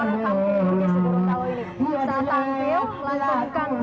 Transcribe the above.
ini bisa tidak selesai ini satu orang